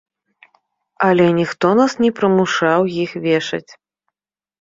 Але ніхто нас не прымушаў іх вешаць.